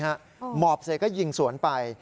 หมอบเสร็จก็ยิงสวนไป